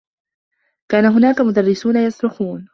كان هناك مدرّسون يصرخون.